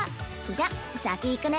じゃ先行くね。